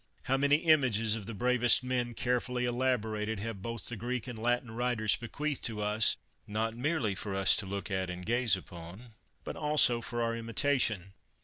How many images 138 CICERO of the bravest men, carefully elaborated, have both the Greek and Latin writers bequeathed to us, not merely for us to look at and gaze upon, but also for our imitation